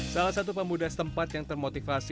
salah satu pemuda setempat yang termotivasi